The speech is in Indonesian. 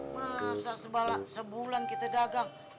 masa sebulan kita dagang